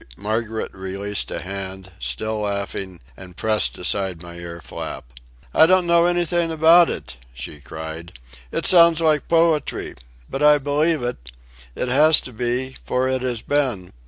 Margaret released a hand, still laughing, and pressed aside my ear flap. "I don't know anything about it," she cried. "It sounds like poetry. But I believe it. It has to be, for it has been.